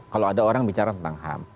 kalau ada orang bicara tentang ham